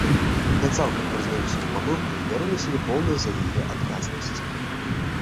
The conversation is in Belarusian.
Я цалкам прызнаю сваю памылку і бяру на сябе поўную за яе адказнасць.